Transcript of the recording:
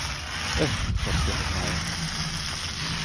Ех, чорт його знає!